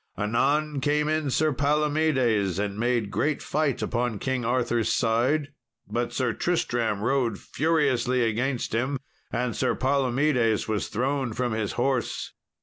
Anon came in Sir Palomedes, and made great fight upon King Arthur's side. But Sir Tristram rode furiously against him, and Sir Palomedes was thrown from his horse.